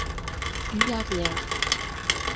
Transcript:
Ӱярня!